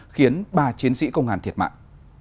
khiến ba chiến sĩ công an thiệt mạng